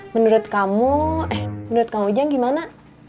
menurut kamu eh menurut kamu jang gimana